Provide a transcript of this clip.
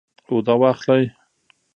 اوده واخلئ